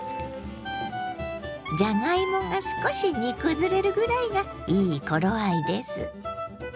じゃがいもが少し煮崩れるぐらいがいい頃合いです。